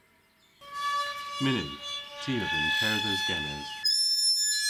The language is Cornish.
Mynnydh. Ty a vynn kerdhes genes.